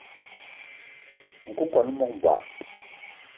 Nku kwan o mog mbogui.